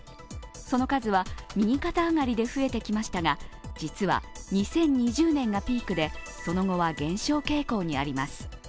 その数は右肩上がりで増えてきましたが実は２０２０年がピークで、その後は減少傾向にあります。